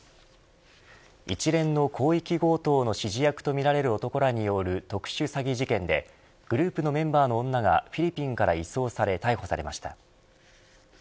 一連の広域強盗の指示役とみられる男らによる特殊詐欺事件でグループのメンバーの女がフィリピンから移送され逮捕されました。